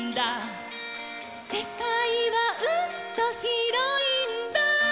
「せかいはうんとひろいんだ」